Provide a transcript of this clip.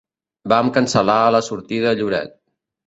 Vam cancel·lar la sortida a Lloret.